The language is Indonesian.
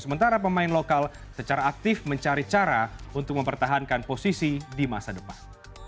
sementara pemain lokal secara aktif mencari cara untuk mempertahankan posisi di masa depan